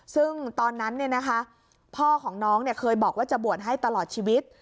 ซึ่งตอนนั้นเนี่ยนะคะพ่อของน้องเนี่ยเคยบอกว่าจะบวชให้ตลอดชีวิต